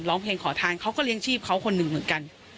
ร้องเพลงขอทานเขาก็เลี้ยงชีพเขาคนหนึ่งเหมือนกัน